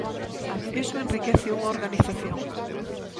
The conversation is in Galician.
Iso enriquece unha organización.